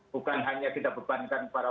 bukan hanya kita berbandingkan para